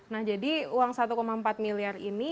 nah jadi uang satu empat miliar ini